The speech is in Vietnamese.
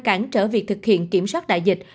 cản trở việc thực hiện kiểm soát đại dịch